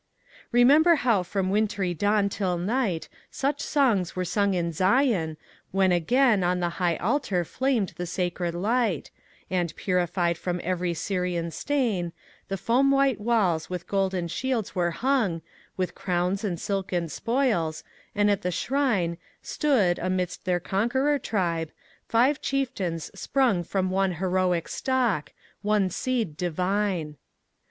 Remember how from wintry dawn till night, Such songs were sung in Zion, when again On the high altar flamed the sacred light, And, purified from every Syrian stain, The foam white walls with golden shields were hung, With crowns and silken spoils, and at the shrine, Stood, midst their conqueror tribe, five chieftains sprung From one heroic stock, one seed divine.